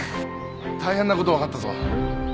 大変なこと分かったぞ。